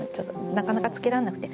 なかなかつけられなくて。